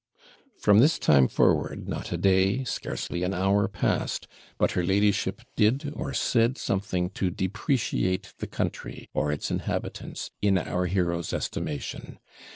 From this time forward, not a day, scarcely an hour passed, but her ladyship did or said something to depreciate the country, or its inhabitants, in our hero's estimation.